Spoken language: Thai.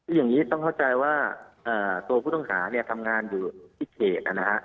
คืออย่างนี้ต้องเข้าใจว่าตัวผู้ต้องหาเนี่ยทำงานอยู่ที่เขตนะฮะ